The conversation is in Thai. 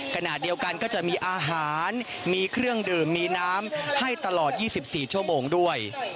ขณะเดียวกันก็จะมีอาหารมีเครื่องดื่มมีน้ำให้ตลอด๒๔ชั่วโมงด้วย